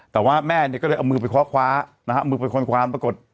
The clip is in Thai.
แต่ว่าแม่เนี่ยก็เลยเอามือไปคว้าคว้านะฮะมือไปค้นคว้านปรากฏ